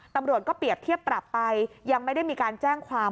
ตำรวจก็เปรียบเทียบปรับไปยังไม่ได้มีการแจ้งความ